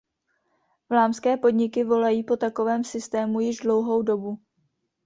Vlámské podniky volají po takovém systému již dlouhou dobu.